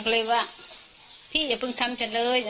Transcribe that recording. ก็เลยว่าพี่อย่าเพิ่งทำฉันเลย